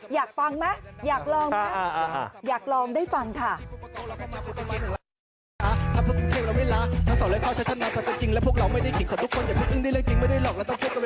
อยากฟังไหมอยากลองไหม